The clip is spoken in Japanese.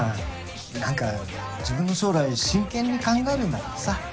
何か自分の将来真剣に考えるんだってさ。